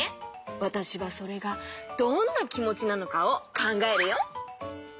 わたしはそれがどんなきもちなのかをかんがえるよ。